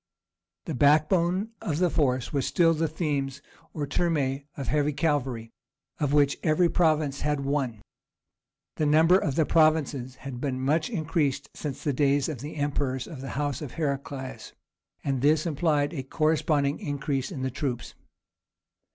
The backbone of the force was still the "themes" or "turmæ" of heavy cavalry, of which every province had one. The number of the provinces had been much increased since the days of the emperors of the house of Heraclius, and this implied a corresponding increase in the troops.